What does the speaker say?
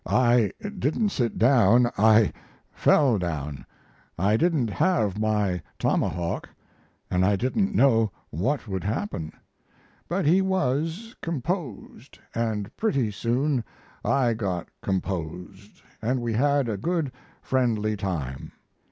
"I didn't sit down I fell down. I didn't have my tomahawk, and I didn't know what would happen. But he was, composed, and pretty soon I got composed and we had a good, friendly time.